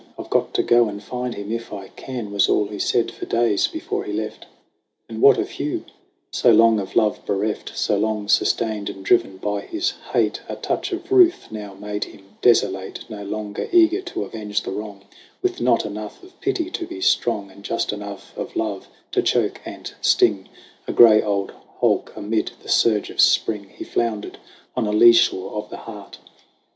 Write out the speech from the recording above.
"I've got to go and find him if I can," Was all he said for days before he left. And what of Hugh ? So long of love bereft, So long sustained and driven by his hate, A touch of ruth now made him desolate. No longer eager to avenge the wrong, With not enough of pity to be strong And just enough of love to choke and sting, A gray old hulk amid the surge of Spring He floundered on a lee shore of the heart.